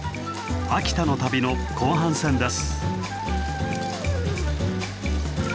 秋田の旅の後半戦です。